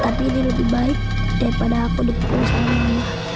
tapi ini lebih baik daripada aku diperlukan sama mama